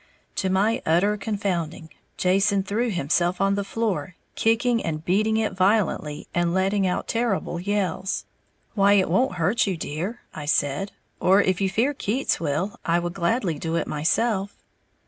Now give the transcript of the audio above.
To my utter confounding, Jason threw himself on the floor, kicking and beating it violently and letting out terrific yells. "Why, it won't hurt you, dear," I said, "or, if you fear Keats will, I will gladly do it myself."